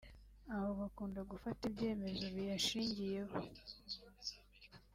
aho bakunda gufata ibyemezo biyashingiyeho